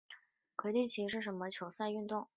魁地奇是巫师世界中最风行的球赛运动。